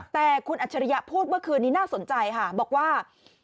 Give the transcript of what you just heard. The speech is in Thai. แต่คุณอัจฉริยะพูดเมื่อคืนนี้น่าสนใจค่ะบอกว่า